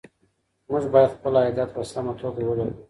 موږ باید خپل عایدات په سمه توګه ولګوو.